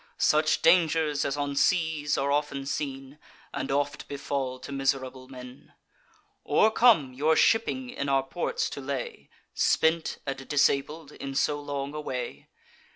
Such dangers as on seas are often seen, And oft befall to miserable men, Or come, your shipping in our ports to lay, Spent and disabled in so long a way?